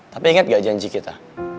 tapi ingat gak janji kita